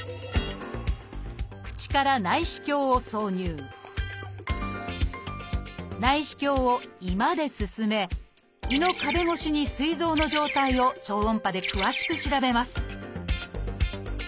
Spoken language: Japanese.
口から内視鏡を挿入内視鏡を胃まで進め胃の壁越しにすい臓の状態を超音波で詳しく調べます